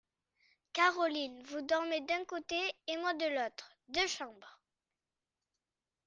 Caroline ! vous dormez d’un côté, et moi de l’autre !… deux chambres…